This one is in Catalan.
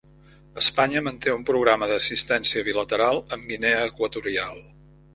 Espanya manté un programa d'assistència bilateral amb Guinea Equatorial.